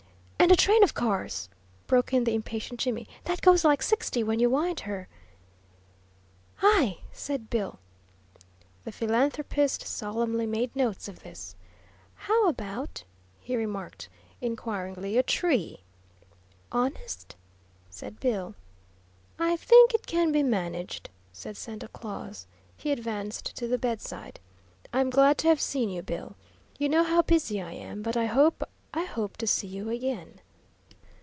"And a train of cars," broke in the impatient Jimmy, "that goes like sixty when you wind her?" "Hi!" said Bill. The philanthropist solemnly made notes of this. "How about," he remarked, inquiringly, "a tree?" "Honest?" said Bill. "I think it can be managed," said Santa Claus. He advanced to the bedside. "I'm glad to have seen you, Bill. You know how busy I am, but I hope I hope to see you again."